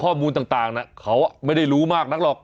ข้อมูลต่างเขาไม่ได้รู้มากนักหรอก